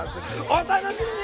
お楽しみに！